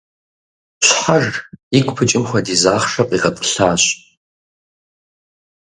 Щхьэж игу пыкӏым хуэдиз ахъшэ къигъэтӏылъащ.